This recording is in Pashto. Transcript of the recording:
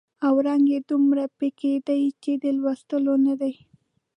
او رنګ یې دومره پیکه دی چې د لوستلو نه دی.